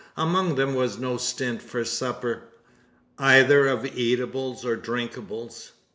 Among them was no stint for supper either of eatables or drinkables.